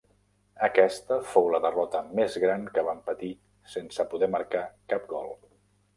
Aquesta fou la derrota més gran que van patir sense poder marcar cap gol.